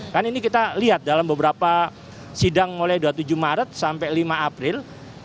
kan ini kita lihat dalam beberapa sidang mulai dua puluh tujuh maret sampai lima april